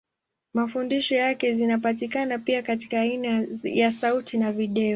Mafundisho yake zinapatikana pia katika aina ya sauti na video.